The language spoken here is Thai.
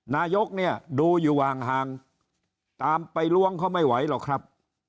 นายกเนี่ยดูอยู่ห่างตามไปล้วงเขาไม่ไหวหรอกครับ